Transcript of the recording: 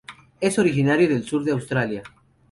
Es originario del sur de Australia.